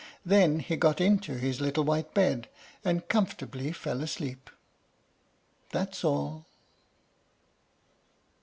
Then he got into his little white bed, and comfortably fell asleep. That's all.